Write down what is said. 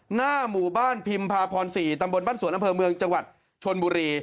หน้าหมู่บ้านพิมพาพร๔ตำบลบ้านสวนอำเภอเมืองจังหวัดชนบุรี